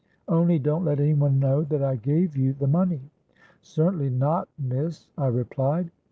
Only don't let any one know that I gave you the money.'—'Certainly not, Miss,' I replied.